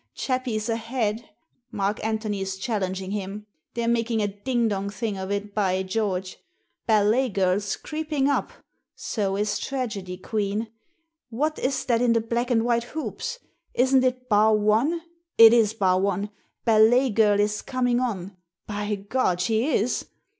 Chappie's ahead! Mark Antony's challenging him! They're making a ding dong thing of it, by George ! Ballet Girl's creeping up; so's Tragedy Queen. What is that in the black and white hoops? Isn't it Bar One? It is Bar One! Ballet Girl is coming on. By gad, she is